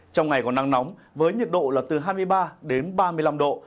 trong ngày có nắng nóng với nhiệt độ là từ hai mươi ba đến ba mươi năm độ